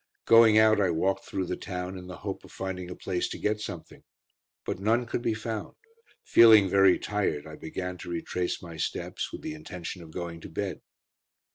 Going out I walked through the town, in the hope of finding a place to get something. But none could be found. Feeling very tired, I began to retrace my steps, with the intention of going to bed.